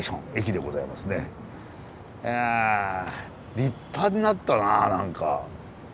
いや立派になったな何か。